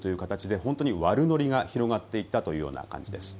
本当に悪ノリが広がっていったというような感じです。